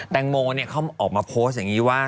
แตงโมเขาออกมาโพสต์อย่างนี้ว่า